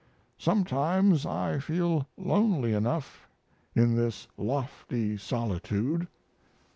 Sometimes I feel lonely enough in this lofty solitude.